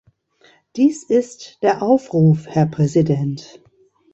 Dies ist der Aufruf, Herr Präsident.